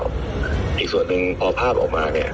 เขาข่าวอีกส่วนหนึ่งออกพระอาทิตย์ออกมาเนี้ย